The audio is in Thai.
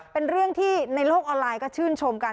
เป็นเรื่องที่ในโลกออนไลน์ก็ชื่นชมกัน